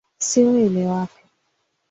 Simu imewaka.